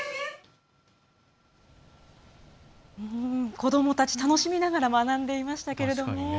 子どもたち、楽しみながら学んでいましたけれどもね。